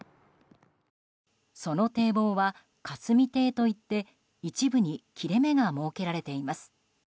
その堤防は霞堤と言って一部に切れ目が設けられています。